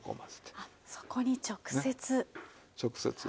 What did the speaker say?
あっそこに直接。